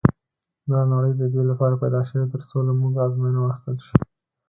دا نړۍ د دې لپاره پيدا شوې تر څو له موږ ازموینه واخیستل شي.